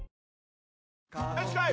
よしこい！